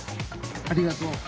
ありがとう。